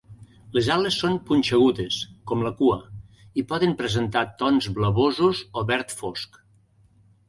Les ales són punxegudes, com la cua, i poden presentar tons blavosos o verd fosc.